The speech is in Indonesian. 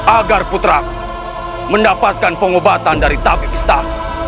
agar putramu mendapatkan pengobatan dari tabib istana